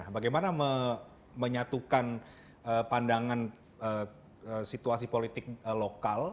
bagaimana menyatukan pandangan situasi politik lokal